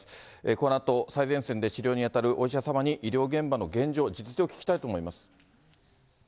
このあと、最前線で治療に当たるお医者様に医療現場の現状、実情を聞きたいと思います。